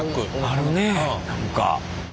あるね何か。